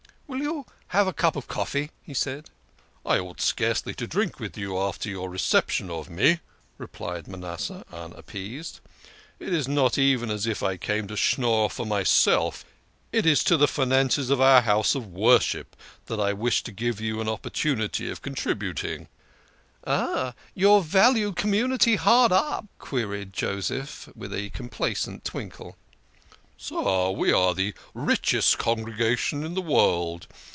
" Will you have a cup of coffee ?" he said. " I ought scarcely to drink with you after your reception of me," replied Manasseh unappeased. " It is not even as if I came to schnorr for myself; it is to the finances "HIS FACE HIDDEN BEHIND A BROADSHEET." 151 152 THE KING OF SCHNORRERS. of our house of worship that I wished to give you an oppor tunity of contributing." "Aha! your vaunted community hard up?" queried Joseph, with a complacent twinkle. " Sir ! We are the richest congregation in the world.